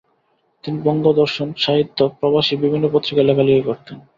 তিনি বঙ্গদর্শন, সাহিত্য, প্রবাসী বিভিন্ন পত্রিকায় লেখালেখি করতেন।